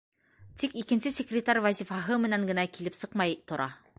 Тик икенсе секретарь вазифаһы менән генә килеп сыҡмай тора.